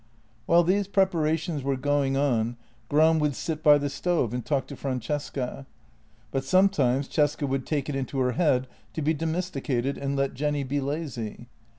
While these preparations were going on, Gram would sit by the stove and talk to Francesca, but sometimes Cesca would take it into her head to be domesticated and let Jenny be lazy.